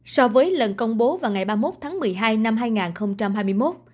so với lần công bố vào ngày ba mươi một tháng một mươi hai năm hai nghìn hai mươi một